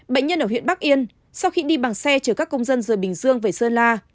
bệnh nhân ở huyện bắc yên sau khi đi bằng xe chở các công dân rời bình dương về sơn la